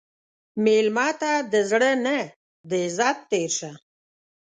مېلمه ته د زړه نه د عزت تېر شه.